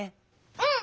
うん！